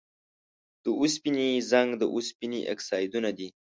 د اوسپنې زنګ د اوسپنې اکسایدونه دي.